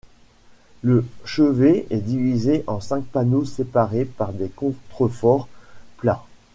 Le chevet est divisé en cinq panneaux séparés par des contreforts plats.